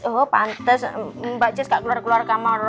oh pantes mbak jess nggak keluar keluar kamar